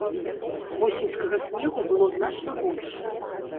Восеньскага снегу было значна больш.